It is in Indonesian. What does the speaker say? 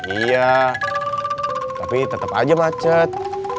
iya tapi tetap aja macet